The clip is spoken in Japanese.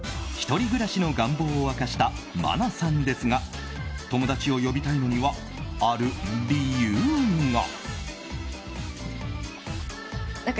１人暮らしの願望を明かした愛菜さんですが友達を呼びたいのにはある理由が。